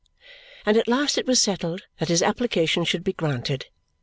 and at last it was settled that his application should be granted.